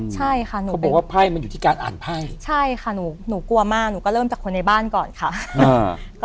ใช่ค่ะหนูเขาบอกว่าไพ่มันอยู่ที่การอ่านไพ่ใช่ค่ะหนูกลัวมากหนูก็เริ่มจากคนในบ้านก่อนค่ะ